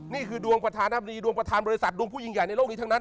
นี่คือดวงประธานาบดีดวงประธานบริษัทดวงผู้หญิงใหญ่ในโลกนี้ทั้งนั้น